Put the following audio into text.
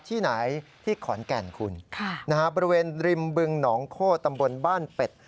ที่ไหนที่ขอนแก่นคุณบริเวณริมบึงหนองโคตรตำบลบ้านเป็ด